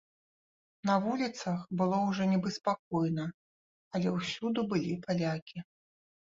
На вуліцах было ўжо нібы спакойна, але ўсюды былі палякі.